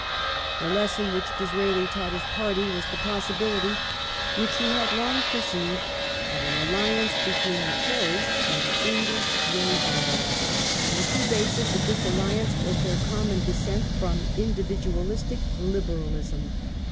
" The lesson which Disraeli taught his party was the possibility, which he had long perceived, of an alliance between | the Tories and English wage earners ;. and the true basis of this alliance was their common dissent from individualistic Liberalism."